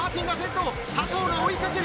佐藤が追いかける！